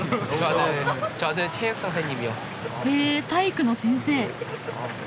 へえ体育の先生。